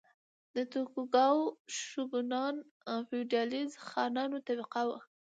د توکوګاوا شوګانان د فیوډالي خانانو طبقه وه.